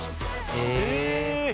へえ。